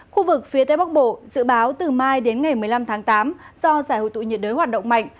khu vực phía tây bắc bộ dự báo từ mai đến ngày một mươi năm tháng tám do giải hội tụ nhiệt đới hoạt động mạnh